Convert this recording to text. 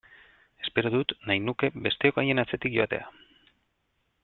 Espero dut, nahi nuke, besteok haien atzetik joatea!